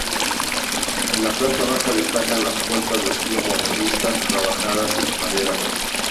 En la planta baja destacan las puertas de estilo modernista trabajadas en madera.